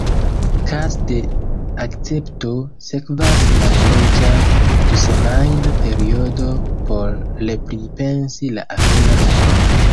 Kaze de akcepto sekvas laŭleĝa dusemajna periodo por repripensi la aferon.